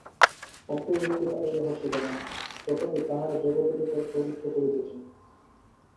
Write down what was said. অজ্ঞ ব্যক্তিরা এই রহস্য জানে না, তথাপি তাহারা জগতের উপর প্রভুত্ব করিতে চায়।